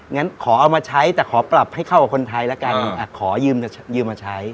งั้นขอเอามาใช้แต่ขอปรับให้เข้ากับคนไทยแล้วกันขอยืมมาใช้